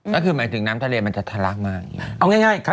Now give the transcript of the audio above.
ก็คือหมายถึงน้ำทะเลมันจะทัลากมา